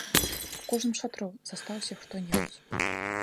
У кожным з шатроў застаўся хто-небудзь.